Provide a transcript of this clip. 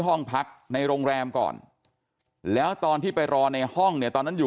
ห้องพักในโรงแรมก่อนแล้วตอนที่ไปรอในห้องเนี่ยตอนนั้นอยู่